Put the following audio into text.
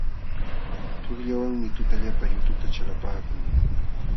Tuqllawanmi tutallapa yututa chalapaakun.